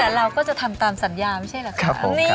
แต่เราก็จะทำตามสัญญาไม่ใช่เหรอครับ